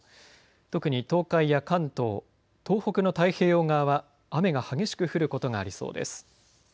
特に東海や関東東北の太平洋側は雨が激しく降ることがありそうです。